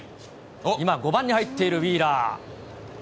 今、５番に入っているウィーラー。